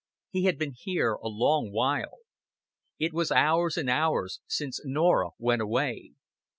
He had been here a long while. It was hours and hours since Norah went away.